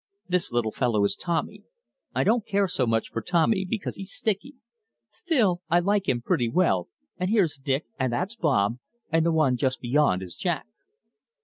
This little fellow is Tommy. I don't care so much for Tommy because he's sticky. Still, I like him pretty well, and here's Dick, and that's Bob, and the one just beyond is Jack."